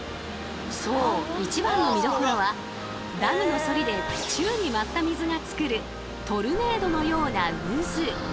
そう一番の見どころはダムの反りで宙に舞った水がつくるトルネードのような渦。